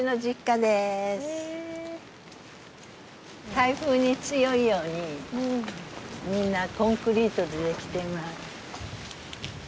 台風に強いようにみんなコンクリートでできています。